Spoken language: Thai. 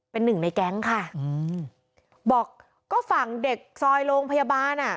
เป็นหนึ่งในแก๊งค่ะอืมบอกก็ฝั่งเด็กซอยโรงพยาบาลอ่ะ